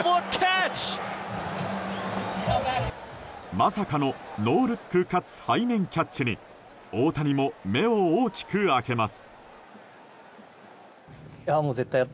まさかのノールックかつ背面キャッチに大谷も目を大きく開けます。